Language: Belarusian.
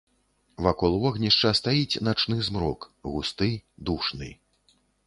Вакол вогнішча стаіць начны змрок, густы, душны.